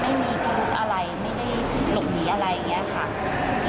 ไม่มีลูกหลุมหญิงอะไร